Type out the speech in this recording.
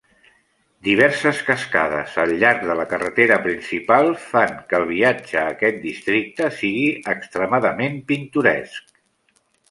Diverses cascades al llarg de la carretera principal fan que el viatge a aquest districte sigui extremadament pintoresc.